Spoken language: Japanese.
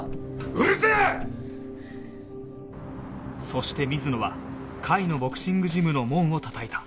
そして水野は甲斐のボクシングジムの門をたたいた